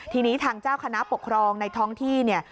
ทีนี้ทางเจ้าคณะปกครองในท้องที่เนี่ย